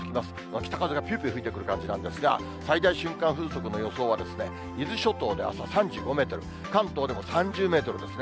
北風がぴゅーぴゅー吹いてくる感じなんですが、最大瞬間風速なんですが、伊豆諸島で３５メートル、関東でも３０メートルですね。